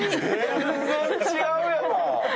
全然違うやん！